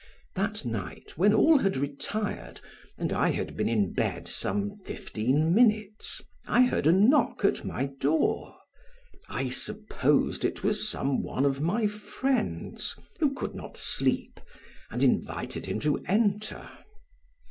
That night when all had retired and I had been in bed some fifteen minutes I heard a knock at my door. I supposed it was some one of my friends who could not sleep and invited him to enter.